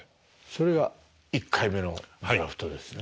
それが１回目のドラフトですね。